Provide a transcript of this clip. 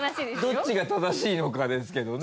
どっちが正しいのかですけどね。